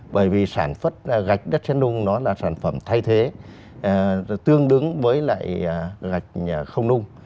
bởi vì sản xuất gạch đất xét nung nó là sản phẩm thay thế tương đứng với lại gạch không nung